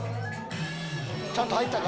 ちゃんと入ったか？